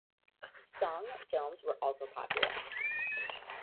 "Sung" films were also popular.